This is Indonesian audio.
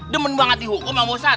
demen banget dihukum ya bosat